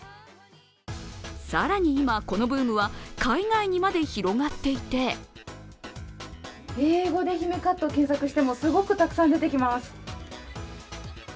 更に今、このブームは海外にまで広がっていて英語で姫カットを検索しても、すごくたくさん出てきます。